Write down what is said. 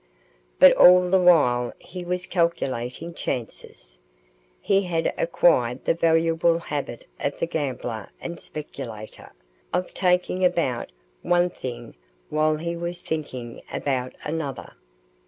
But all the while he was calculating chances. He had acquired the valuable habit of the gambler and speculator, of talking about one thing while he was thinking about another.